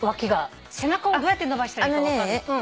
背中をどうやって伸ばしたらいいか分かんない。